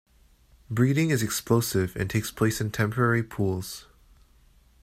Breeding is explosive and takes place in temporary pools.